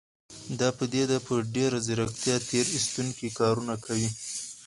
دا پديده په ډېره ځيرکتيا تېر ايستونکي کارونه کوي.